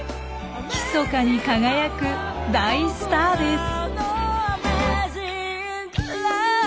ひそかに輝く大スターです。